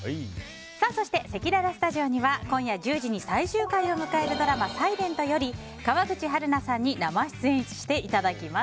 そして、せきららスタジオには今夜１０時に最終回を迎えるドラマ「ｓｉｌｅｎｔ」より川口春奈さんに生出演していただきます。